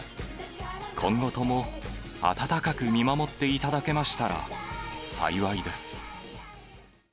今後とも温かく見守っていただけましたら幸いです。